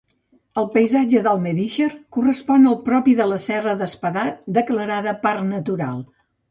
El paisatge d'Almedíxer correspon al propi de la Serra d'Espadà, declarada parc natural.